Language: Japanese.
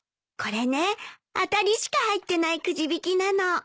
これね当たりしか入ってないくじ引きなの。